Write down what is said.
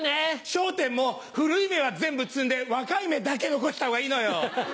『笑点』も古い芽は全部摘んで若い芽だけ残したほうがいいのよ。